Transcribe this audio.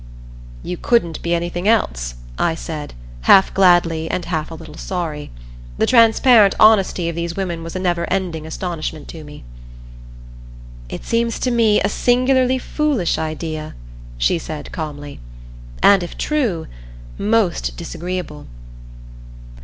"You couldn't be anything else," I said, half gladly and half a little sorry. The transparent honesty of these women was a never ending astonishment to me. "It seems to me a singularly foolish idea," she said calmly. "And if true, most disagreeable."